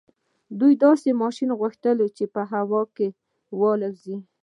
دوی داسې ماشين غوښت چې په هوا کې الوځي.